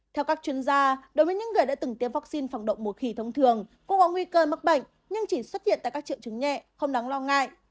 theo các chuyên gia đối với những người đã từng tiêm vaccine phòng đậu mùa khỉ thông thường cũng có nguy cơ mắc bệnh nhưng chỉ xuất hiện tại các triệu chứng nhẹ không đáng lo ngại